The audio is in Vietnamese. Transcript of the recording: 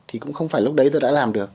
thì cũng không phải lúc đấy tôi đã làm được